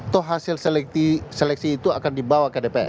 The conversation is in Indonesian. toh hasil seleksi itu akan dibawa ke dpr